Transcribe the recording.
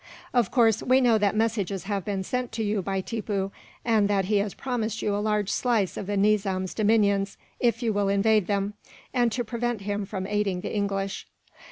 "Of course, we know that messages have been sent to you by Tippoo, and that he has promised you a large slice of the Nizam's dominions, if you will invade them, and so prevent him from aiding the English."